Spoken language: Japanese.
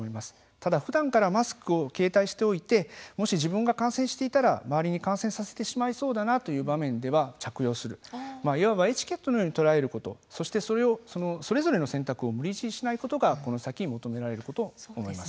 ただ、ふだんからマスクを携帯しておいてもし自分が感染していたら周りに感染させてしまいそうだなという場面では着用するいわばエチケットのように捉えること、そしてそれをそれぞれの選択を無理強いしないことがこの先、求められると思います。